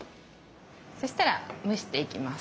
そしたら蒸していきます。